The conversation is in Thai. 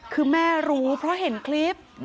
คือแม่รู้เพราะเห็นคลิป